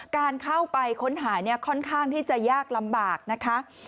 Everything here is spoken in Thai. การเข้าไปค้นหาเนี่ยค่อนข้างที่จะยากลำบากนะคะ